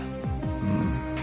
うん。